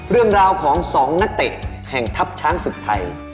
เรื่องราวของ๒นักเตะแห่งทัพช้างศึกไทย